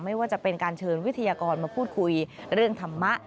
ไม่ว่าจะเป็นการเชิญวิทยากรมาพูดคุยเรื่องธรรมะ